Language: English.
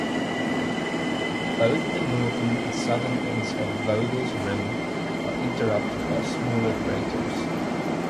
Both the northern and southern ends of Vogel's rim are interrupted by smaller craters.